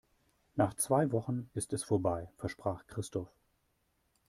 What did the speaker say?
Nach zwei Wochen ist es vorbei, versprach Christoph.